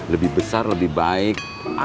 lebih besar lebih baik